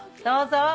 どうぞ。